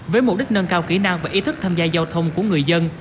với mục đích nâng cao kỹ năng và ý thức tham gia giao thông của người dân